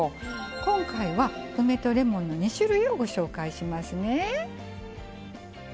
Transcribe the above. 今回は梅とレモンの２種類をご紹介しますね。